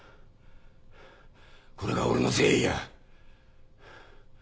これが俺の誠意や。